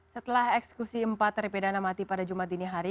setelah eksekusi empat terpidana mati pada jumat dini hari